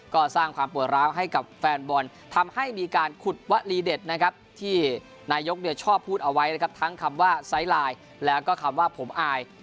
ก็สร้างผัวร้ายให้กับแฟนบอลทำให้มีการขุดวลิเดชด้วยที่นายกอยกชอบพูดด้วยทั้งคำว่าไซรายด์แล้วผมอาย